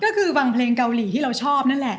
ก็คือบางเพลงเกาหลีที่เราชอบนั่นแหละ